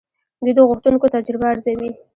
دوی د غوښتونکو تجربه ارزوي.